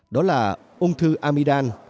đó là ung thư amidam